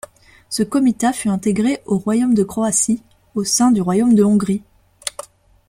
Ce comitat fut intégré au Royaume de Croatie, au sein du Royaume de Hongrie.